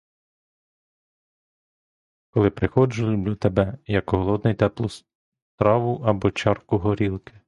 Коли приходжу, люблю тебе, як голодний теплу страву або чарку горілки.